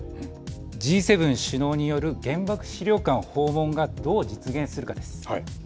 Ｇ７首脳による原爆資料館訪問がどう実現するかです。